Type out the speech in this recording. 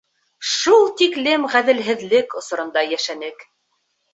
— Шул тиклем ғәҙелһеҙлек осоронда йәшәнек!